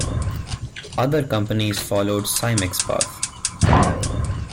Other companies followed Symyx's path.